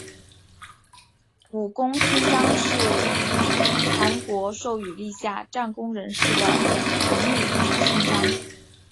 武功勋章是韩国授予立下战功人士的荣誉勋章。